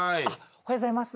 おはようございます。